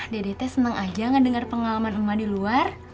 dede teh seneng aja ngedenger pengalaman emak di luar